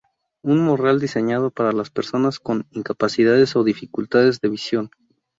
Un morral diseñado para las personas con incapacidades o dificultades de visión.